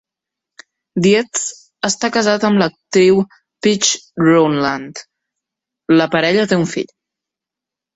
Dietz està casat amb l'actriu Paige Rowland; la parella té un fill.